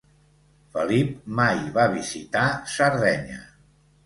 Felip mai va visitar Sardenya.